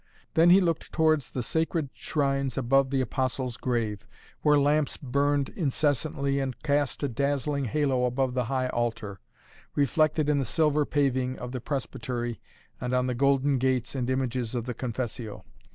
Then he looked towards the sacred shrines above the Apostle's grave, where lamps burned incessantly and cast a dazzling halo above the high altar, reflected in the silver paving of the presbytery and on the golden gates and images of the Confessio.